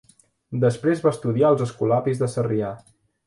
Després va estudiar als escolapis de Sarrià.